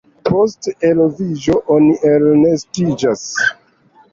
Post eloviĝo oni elnestiĝas.